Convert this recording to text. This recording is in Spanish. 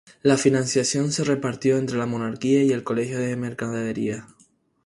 La financiación se repartió entre la monarquía y el Colegio de Mercadería.